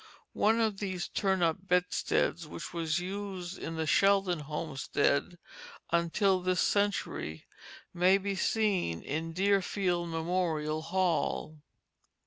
One of these "turn up" bedsteads which was used in the Sheldon homestead until this century may be seen in Deerfield Memorial Hall.